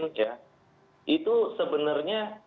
itu sebenarnya kita bisa hitung harga berasnya